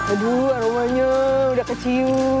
aduh aromanya udah keciu